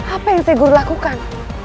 apa yang saya guru lakukan